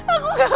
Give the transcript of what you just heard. aku gak mau